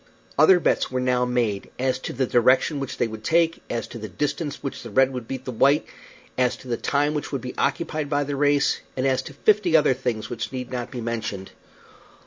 Other bets were now made as to the direction which they would take, as to the distance by which the red would beat the white, as to the time which would be occupied by the race, and as to fifty other things which need not be mentioned.